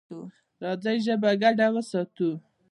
راځئ ژبه ګډه وساتو.